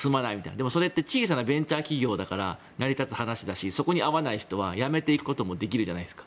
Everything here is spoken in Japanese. でもそれは小さなベンチャー企業だから成り立つ話だしそこに合わない人は辞められるじゃないですか。